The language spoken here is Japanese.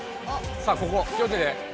さあここ気をつけて。